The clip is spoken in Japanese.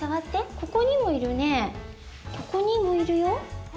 ここにもいるよ。